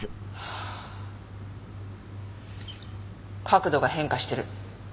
角度が変化してる。